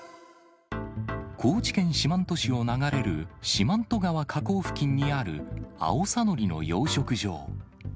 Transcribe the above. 高知県四万十市を流れる四万十川河口付近にあるアオサノリの養殖場。